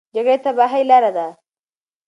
جګړه د تباهۍ لاره ده.